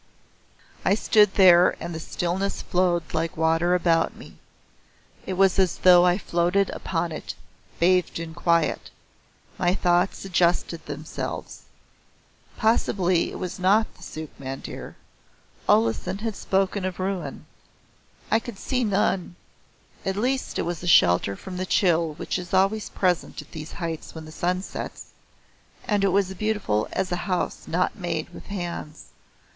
I stood there and the stillness flowed like water about me. It was as though I floated upon it bathed in quiet. My thoughts adjusted themselves. Possibly it was not the Sukh Mandir. Olesen had spoken of ruin. I could see none. At least it was shelter from the chill which is always present at these heights when the sun sets, and it was beautiful as a house not made with hands.